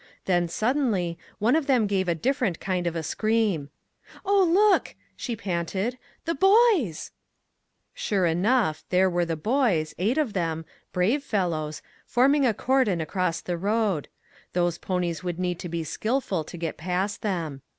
Then, suddenly, one of them gave a different kind of a scream :" Oh, look !" she panted ;" the boys !" Sure enough, there were the boys, eight of them, brave fellows, forming a cordon across the road ; those ponies would need to be skillful 236 "IF WE ONLY HADN'T' 1 to get past them.